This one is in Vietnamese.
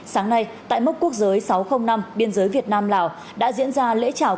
sáng nay tại mốc quốc giới sáu trăm linh năm biên giới việt nam lào đã diễn ra lễ trào